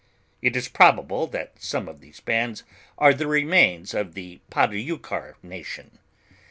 It is probable that some of those bands are the remains of the Padoucar nation.